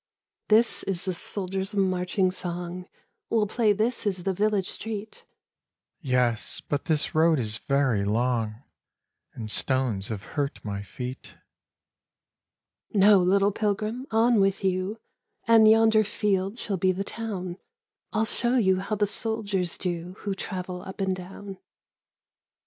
This is the soldiers' marching song. We'll play this is the village street —" Yes, but this road is very long And stones have hurt my feet." 25 Refugees " No, little pilgrim, on with you, And yonder field shall be the town. I'll show you how the soldiers do Who travel up and down.